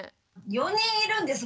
４人いるんです。